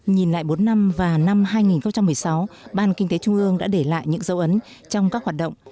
nhìn lại bốn năm và năm hai nghìn một mươi sáu ban kinh tế trung ương đã để lại những dấu ấn trong các hoạt động